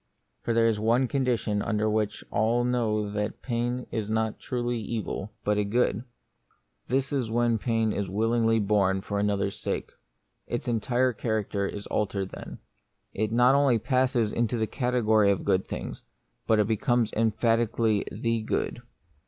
For there is one condition under which all know that pain is not truly an evil, but a good. This is when pain is willingly borne for another's sake. Its entire character is altered then. It not only r 12 The Mystery of Pain. passes into the category of good things, but it becomes emphatically the good.